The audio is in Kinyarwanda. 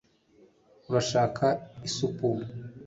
urashaka isupu